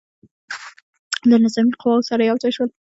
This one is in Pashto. له نظامي قواوو سره یو ځای شول.